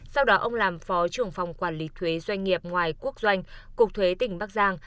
sau đó ông làm phó trưởng phòng quản lý thuế doanh nghiệp ngoài quốc doanh cục thuế tỉnh bắc giang